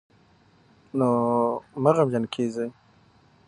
نو مه غمجن کېږئ